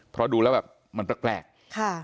เพราะดูแล้วแบบมันแปลกค่ะ